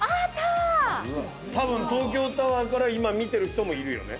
たぶん東京タワーから今見てる人もいるよね。